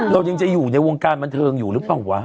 เรายังจะอยู่ในวงการบันเทิงอยู่หรือเปล่าวะ